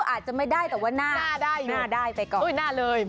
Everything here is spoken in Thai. อาจจะไม่ได้แต่ว่าน่าได้ไปก่อน